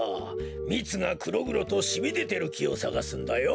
みつがくろぐろとしみでてるきをさがすんだよ。